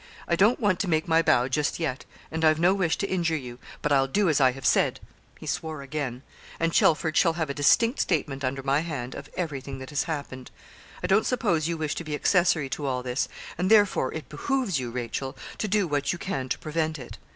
I don't want to make my bow just yet, and I've no wish to injure you; but I'll do as I have said (he swore again), and Chelford shall have a distinct statement under my hand of everything that has happened. I don't suppose you wish to be accessory to all this, and therefore it behoves you, Rachel, to do what you can to prevent it.